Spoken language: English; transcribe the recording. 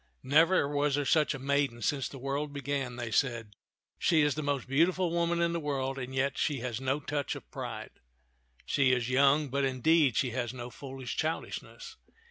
" Never was there such a maiden since the world be gan," they said. " She is the most beautiful woman in the world, and yet she has no touch of pride. She is young, but, indeed, she has no foolish childishness.